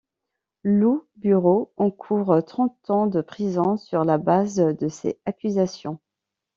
Loup Bureau encourt trente ans de prison sur la base de ces accusations.